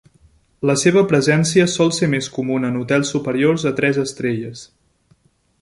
La seva presència sol ser més comuna en hotels superiors a tres estrelles.